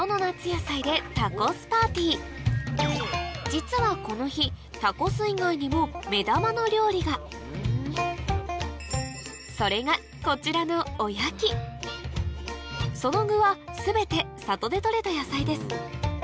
実はこの日タコス以外にも目玉の料理がそれがこちらのその具は全て里で取れた野菜です